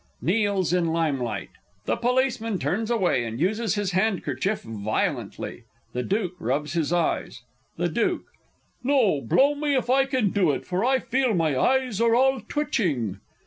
[Kneels in lime light. The Policeman turns away, and uses his handkerchief violently; the Duke rubs his eyes. The Duke. No, blow me if I can do it, for I feel my eyes are all twitching!